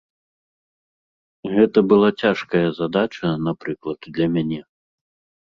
Гэта была цяжкая задача, напрыклад, для мяне.